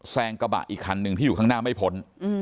แซงกระบะอีกคันหนึ่งที่อยู่ข้างหน้าไม่พ้น